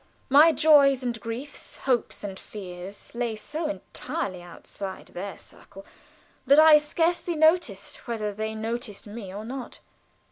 My joys and griefs, hopes and fears, lay so entirely outside their circle that I scarce noticed whether they noticed me or not.